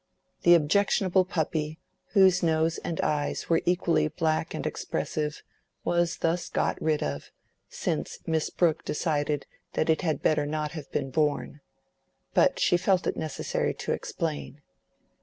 The objectionable puppy, whose nose and eyes were equally black and expressive, was thus got rid of, since Miss Brooke decided that it had better not have been born. But she felt it necessary to explain.